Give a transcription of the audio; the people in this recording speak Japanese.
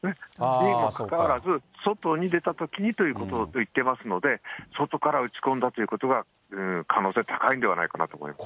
にもかかわらず、外に出たときにということを言ってますので、外から撃ち込んだということは、可能性高いんではないかなと思います。